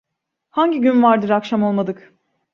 Hangi gün vardır akşam olmadık.